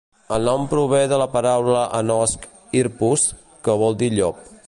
El nom prové de la paraula en osc "hirpus", que vol dir "llop".